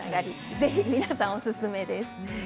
ぜひ皆さん、おすすめです。